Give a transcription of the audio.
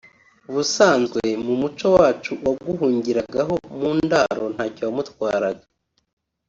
’’ Ubusanzwe mu muco wacu uwaguhungiraga mu Ndaro ntacyo wamutwaraga